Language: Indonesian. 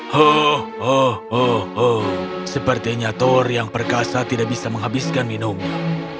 ho ho ho ho sepertinya thor yang perkasa tidak bisa menghabiskan minumnya